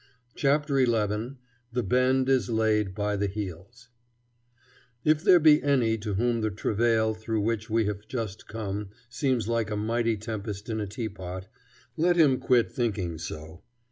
CHAPTER XI THE BEND IS LAID BY THE HEELS If there be any to whom the travail through which we have just come seems like a mighty tempest in a teapot, let him quit thinking so.